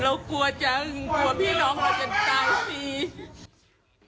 เรากลัวจังกลัวพี่น้องเราจะตายสิ